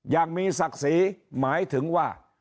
อย่างมีศักดิ์ศรีหมายถึงว่า